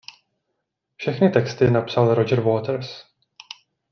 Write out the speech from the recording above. Všechny texty napsal Roger Waters.